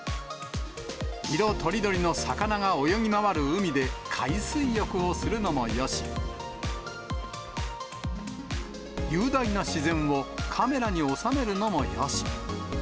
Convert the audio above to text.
色とりどりの魚が泳ぎ回る海で海水浴をするのもよし、雄大な自然をカメラに収めるのもよし。